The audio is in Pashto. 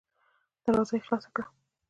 دروازه يې خلاصه کړه.